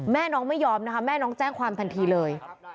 น้องไม่ยอมนะคะแม่น้องแจ้งความทันทีเลย